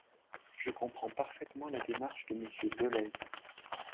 Je comprends parfaitement la démarche de Monsieur Dolez.